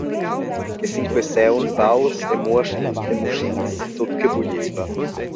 E sin quei saung baus e mustgas e muschins tut che buglieva.